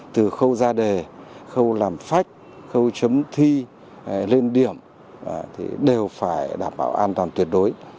từ khâu ra đề khâu làm phách khâu chấm thi lên điểm thì đều phải đảm bảo an toàn tuyệt đối